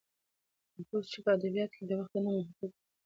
نفوذ یې په ادبیاتو کې د وخت نه محدود و.